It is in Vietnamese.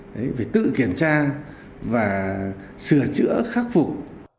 phải tự kiểm tra và sửa chữa khắc phục